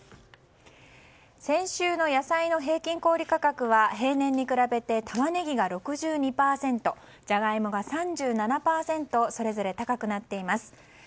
先週の野菜の平均小売価格は平年に比べて玉ねぎが６２％ジャガイモが３７％それぞれ高くなっています。